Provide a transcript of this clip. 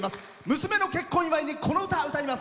娘の結婚祝にこの歌を歌います。